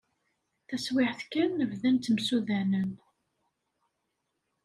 Taswiɛt kan, bdan ttemsudanen.